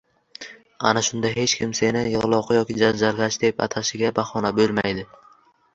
Ana shunda hech kim seni yig‘loqi yoki janjalkash deb atashiga bahona bo‘lmaydi.